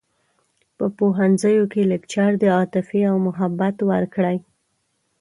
په پوهنځیوکې لکچر د عاطفې او محبت ورکړی